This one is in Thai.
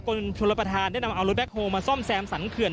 คนชนละประธานได้นำเอารถแบคโฮงมาซ่อมแซมสันเขื่อน